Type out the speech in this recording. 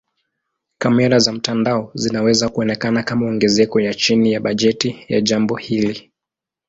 Kamera za mtandao zinaweza kuonekana kama ongezeko ya chini ya bajeti ya jambo hili.